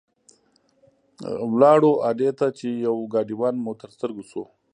لاړو اډې ته چې یو ګاډیوان مو تر سترګو شو.